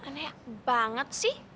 aneh banget sih